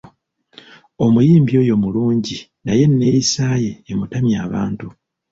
Omuyimbi oyo mulungi naye enneeyisa ye emutamya abantu.